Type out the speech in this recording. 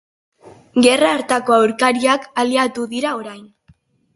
Gerra hartako aurkariak, aliatu dira orain.